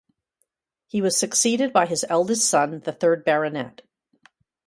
He was succeeded by his eldest son, the third Baronet.